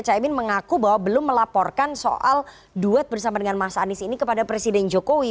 caimin mengaku bahwa belum melaporkan soal duet bersama dengan mas anies ini kepada presiden jokowi